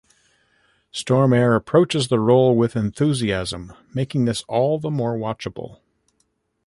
Stormare approaches the role with enthusiasm making this all the more watchable.